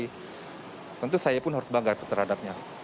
jadi tentu saya pun harus bangga terhadapnya